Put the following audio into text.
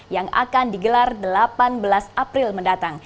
yang akan digelar delapan belas april mendatang